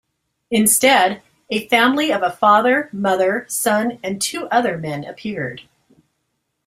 Instead, a family of a father, mother, son and two other men appeared.